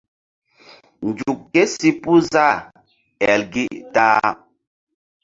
Nzuk kési puh zah el gi ta-a.